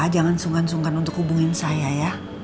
jangan sungkan sungkan untuk hubungin saya ya